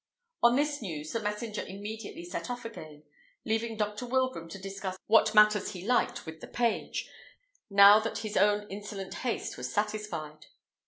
On this news, the messenger immediately set off again, leaving Dr. Wilbraham to discuss what matters he liked with the page, now that his own insolent haste was satisfied.